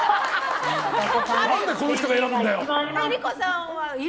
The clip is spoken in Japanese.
何でこの人が選ぶんだよ！